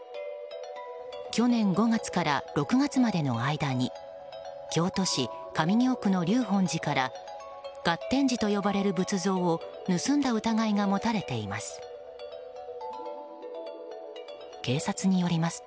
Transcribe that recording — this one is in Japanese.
去年５月から６月までの間に京都市上京区の立本寺から月天子と呼ばれる仏像を盗んだ疑いが持たれています。